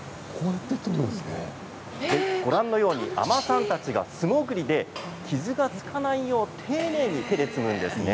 ご覧のように海女さんたちが素もぐりで傷がつかないよう丁寧に手で摘むんですね。